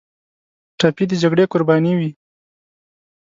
ټپي د جګړې قرباني وي.